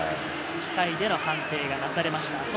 機械での判定がなされました。